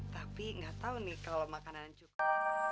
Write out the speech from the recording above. tapi enggak tahu nih kalau makanan juga